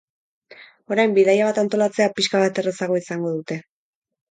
Orain, bidaia bat antolatzea pixka bat errazago izango dute.